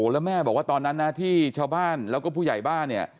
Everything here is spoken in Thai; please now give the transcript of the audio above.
แล้วแม่บอกว่าตอนนั้นนะที่ชาวบ้านแล้วก็ผู้ใหญ่บ้านเนี่ย